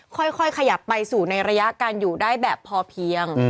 ค่อยขยับไปสู่ในระยะการอยู่ได้แบบพอเพียง